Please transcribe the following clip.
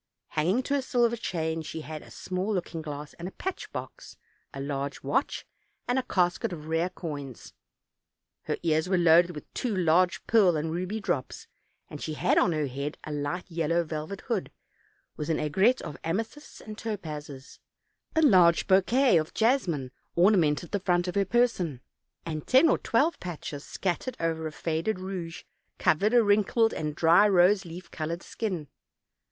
Hanging to a silver chain, she had a small looking glass and patch box, a large watch, and a casket of rare coins; her ears were loaded with two large pearl and ruby drops, and she had on her head a light yellow velvet hood, with an aigrette of amethysts and topazes; a large bouquet of jasmine ornamented the front of her person, and ten or twelve patches, scattered over a faded rouge, covered a wrinkled and dry rose leaf colored skin.